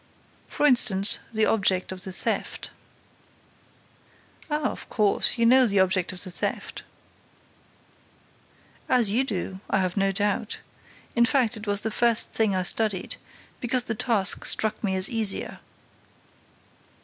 "For instance, the object of the theft." "Ah, of course, you know the object of the theft?" "As you do, I have no doubt. In fact, it was the first thing I studied, because the task struck me as easier."